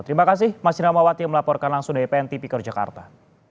terima kasih mas jirama wati yang melaporkan langsung dari pntv kerajaan jakarta